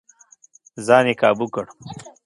ځان يې کابو کړ.